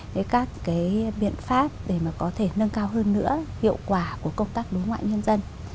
với các cái biện pháp để mà có thể nâng cao hơn nữa hiệu quả của công tác đối ngoại nhân dân